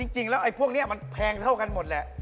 จริงแล้วพวกนี้มันแพงเท่ากันหมดแหละ